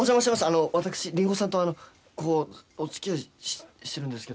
あの私りんごさんとこうお付き合いしてるんですけど